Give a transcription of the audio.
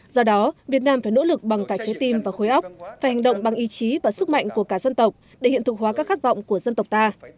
do đó việt nam phải nỗ lực bằng cả trái tim và khối óc phải hành động bằng ý chí và sức mạnh của cả dân tộc để hiện thực hóa các khát vọng của dân tộc ta